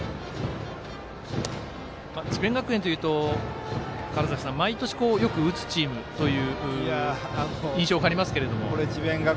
智弁学園というと毎年、よく打つチームという印象がありますけど。